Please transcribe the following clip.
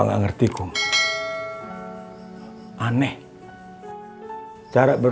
tentang dia yang cari duit